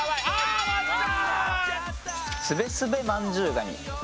あ終わった！